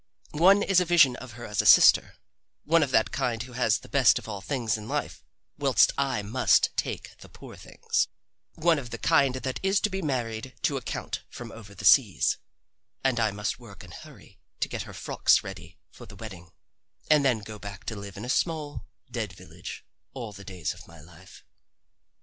One is a vision of her as a sister one of that kind who has the best of all things in life whilst I must take the poor things; one of the kind that is to be married to a count from over the seas, and I must work and hurry to get her frocks ready for the wedding and then go back to live in a small, dead village all the days of my life.